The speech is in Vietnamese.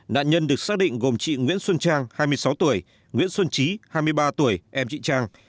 nạn nhân được xác định gồm chị nguyễn xuân trang hai mươi sáu tuổi nguyễn xuân trí hai mươi ba tuổi em chị trang